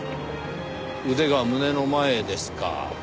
腕が胸の前ですか。